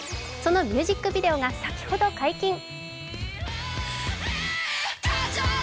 そのミュージックビデオが先ほど解禁。